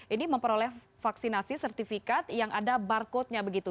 ini memperoleh vaksinasi sertifikat yang ada barcode nya begitu